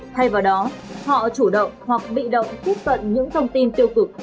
thay vào đó họ chủ động hoặc bị động tiếp cận những thông tin tiêu cực